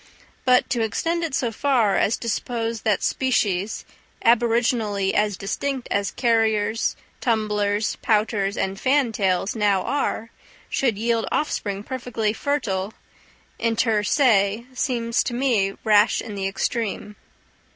But to extend it so far as to suppose that species, aboriginally as distinct as carriers, tumblers, pouters, and fantails now are, should yield offspring perfectly fertile, inter se, seems to me rash in the extreme.